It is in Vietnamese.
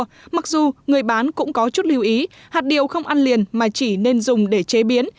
nhưng nhiều người bán cũng không có lưu ý hạt điều không ăn liền mà chỉ nên dùng để chế biến